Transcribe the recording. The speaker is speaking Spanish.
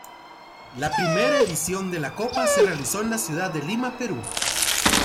La primera edición de la copa se realizó en la ciudad de Lima, Perú.